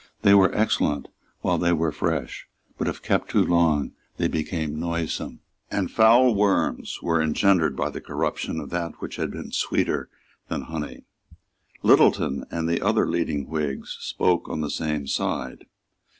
They were excellent while they were fresh; but if kept too long they became noisome; and foul worms were engendered by the corruption of that which had been sweeter than honey. Littleton and other leading Whigs spoke on the same side.